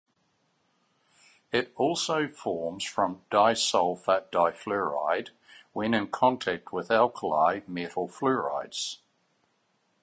It also forms from disulfur difluoride when in contact with alkali metal fluorides.